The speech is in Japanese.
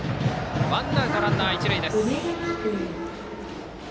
ワンアウトランナー、一塁です。